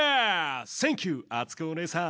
センキューあつこおねえさん。